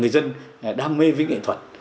đam mê với nghệ thuật